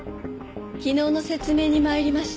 昨日の説明に参りました。